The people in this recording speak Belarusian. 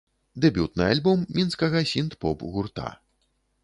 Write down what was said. Дэбютны альбом мінскага сінт-поп гурта.